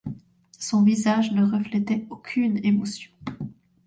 Son visage ne reflétait aucune émotion.